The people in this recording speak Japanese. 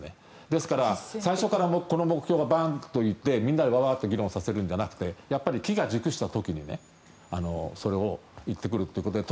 ですから、最初からこの目標がバンと言って、みんなでワーッと議論させるんじゃなくてやっぱり機が熟した時にそれを言ってくるということで。